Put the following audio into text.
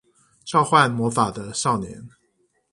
召喚魔法的少年